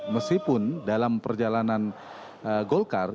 meskipun dalam perjalanan golkar